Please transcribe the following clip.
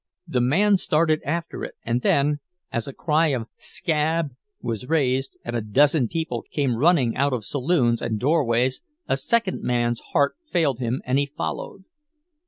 The man started after it, and then, as a cry of "Scab!" was raised and a dozen people came running out of saloons and doorways, a second man's heart failed him and he followed.